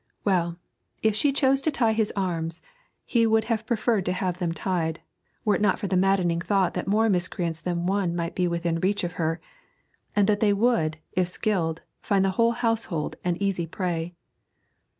Well, if she chose to tie his arms he would have preferred to have them tied, were it not for the maddening thought that more miscreants than one might be within reach of her, and that they would, if skilled, find the whole household an easy prey.